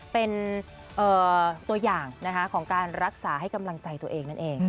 เป็นตัวอย่างของการรักษาให้กำลังใจตัวเองนั่นเอง